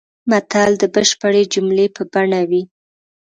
متل د بشپړې جملې په بڼه وي